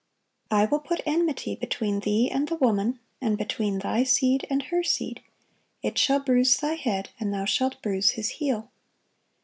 ] "I will put enmity between thee and the woman, and between thy seed and her seed; it shall bruise thy head, and thou shalt bruise his heel."